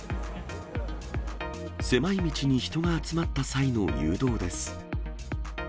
狭い道に人が集まった際の誘導です。